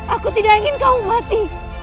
aku tidak ingin kau mati